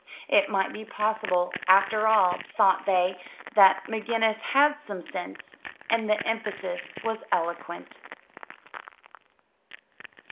It might be possible, after all, thought they, that McGinnis had some sense! and the emphasis was eloquent.